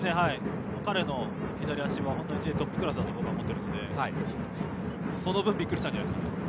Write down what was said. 彼の左足はＪトップクラスだと思っているのでその分、びっくりしたんじゃないですかね。